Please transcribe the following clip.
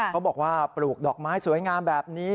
เขาบอกว่าปลูกดอกไม้สวยงามแบบนี้